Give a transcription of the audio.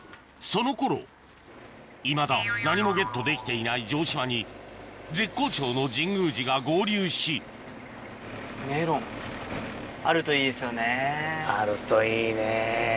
その頃いまだ何もゲットできていない城島に絶好調の神宮寺が合流しあるといいねぇ。